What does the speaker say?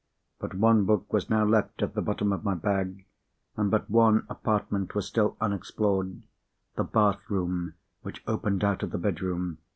But one book was now left at the bottom of my bag, and but one apartment was still unexplored—the bath room, which opened out of the bedroom.